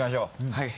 はい。